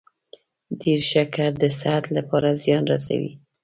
ډیر شکر د صحت لپاره زیان رسوي.